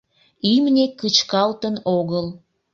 Имне кычкалтын огыл!